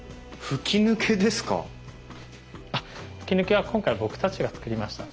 吹き抜けは今回僕たちが造りました。